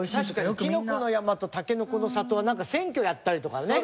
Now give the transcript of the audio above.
きのこの山とたけのこの里はなんか選挙やったりとかね。